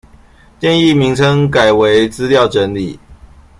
建議名稱改為資料整理